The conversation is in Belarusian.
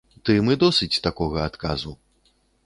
Тым і досць такога адказу.